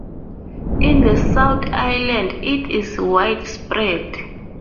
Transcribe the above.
In the South Island it is widespread.